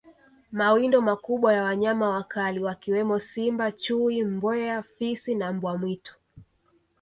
Mawindo makubwa ya wanyama wakali wakiwemo Simba Chui Mbweha Fisi na Mbwa mwitu